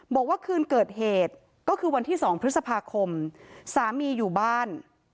บอกว่าคืนเกิดเหตุก็คือวันที่๒พฤษภาคมสามีอยู่บ้าน